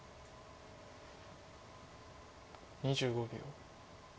２５秒。